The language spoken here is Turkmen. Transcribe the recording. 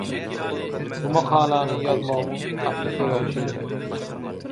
Bu makalany ýazmagymyň asyl sebäbi şeýleräk.